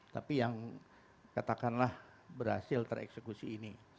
tapi yang katakanlah berhasil tereksekusi ini